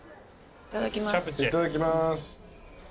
いただきます。